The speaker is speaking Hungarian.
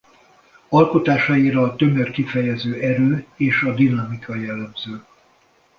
Alkotásaira a tömör kifejező erő és a dinamika jellemző.